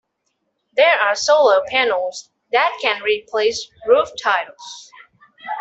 There are solar panels that can replace roof tiles.